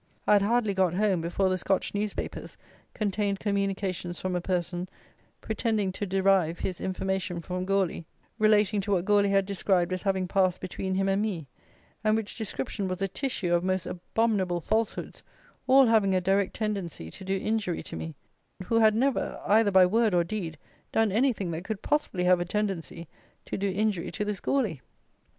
I had hardly got home, before the Scotch newspapers contained communications from a person, pretending to derive his information from Gourlay, relating to what Gourlay had described as having passed between him and me; and which description was a tissue of most abominable falsehoods, all having a direct tendency to do injury to me, who had never, either by word or deed, done anything that could possibly have a tendency to do injury to this Gourlay.